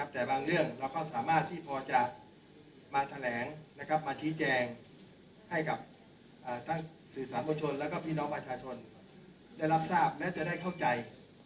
แต่บางเรื่องเราก็สามารถที่พอจะมาแถลงมาชี้แจงให้กับทั้งสื่อสารประชนแล้วก็พี่น้องประชาชนได้รับทราบและจะได้เข้าใจ